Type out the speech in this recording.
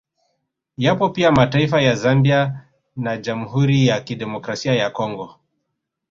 Yapo pia mataifa ya Zambia na Jamhuri ya kidemokrasia ya Congo